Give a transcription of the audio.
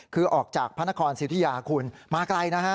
คือออกจากพนครศิษยาขุนมาไกลนะฮะ